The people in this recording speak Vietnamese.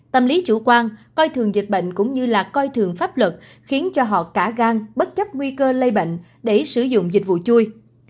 tâm lý chủ quan coi thường dịch bệnh cũng như là coi thường pháp luật khiến cho họ cả gang bất chấp nguy cơ lây bệnh để sử dụng dịch vụ chui